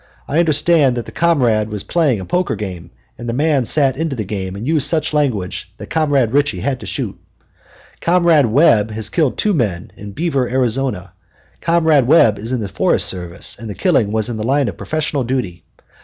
I understand that the comrade was playing a poker game, and the man sat into the game and used such language that Comrade Ritchie had to shoot. Comrade Webb has killed two men in Beaver, Arizona. Comrade Webb is in the Forest Service, and the killing was in the line of professional duty.